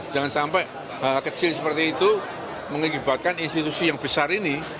jangan sampai hal kecil seperti itu mengibatkan institusi yang besar ini